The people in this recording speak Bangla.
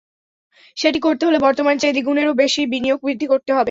সেটি করতে হলে বর্তমানের চেয়ে দ্বিগুণেরও বেশি বিনিয়োগ বৃদ্ধি করতে হবে।